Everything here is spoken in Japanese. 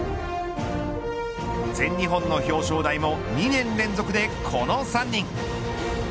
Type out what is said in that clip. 全日本の表彰台も２年連続でこの３人。